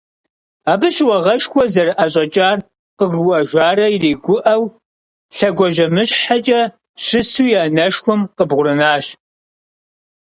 Абы щыуагъэшхуэ зэрыӀэщӀэкӀар къыгурыӀуэжарэ иригуӀэу, лъэгуажьэмыщхьэкӀэ щысу и анэшхуэм къыбгъурынащ.